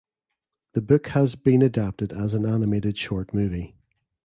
The book has been adapted as an animated short movie.